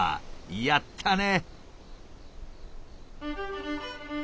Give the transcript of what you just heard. やったね！